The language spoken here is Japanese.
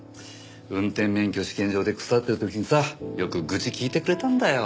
運転免許試験場で腐ってる時にさよく愚痴聞いてくれたんだよ。